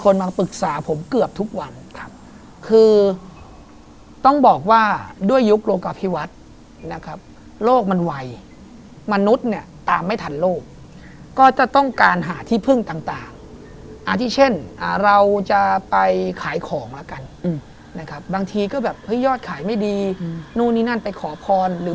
แล้วก็จะมีลงอาคาระอะไรต่างไว้นะครับ